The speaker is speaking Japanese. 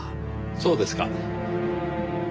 そうですか。